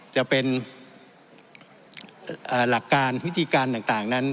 จะเป็นหลักการวิธีการต่างนั้น